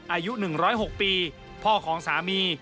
อายุ๑๐๖ปีพ่อของสามี